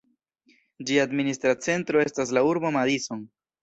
Ĝia administra centro estas la urbo Madison.